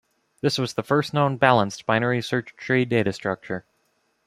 This was the first known balanced binary search tree data structure.